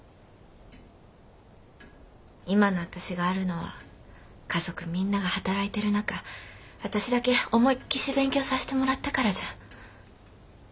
今の私があるのは家族みんなが働いてる中私だけ思いっきし勉強さしてもらったからじゃん。